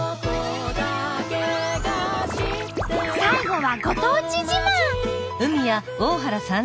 最後はご当地自慢。